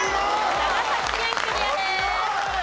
長崎県クリアです。